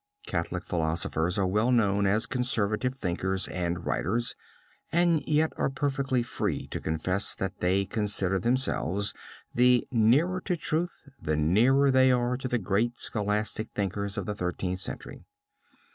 Catholic philosophers are well known as conservative thinkers and writers, and yet are perfectly free to confess that they consider themselves the nearer to truth the nearer they are to the great scholastic thinkers of the Thirteenth Century.